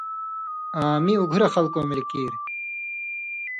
آں می اُگھرہۡ خلکؤں ملیۡ کیر۔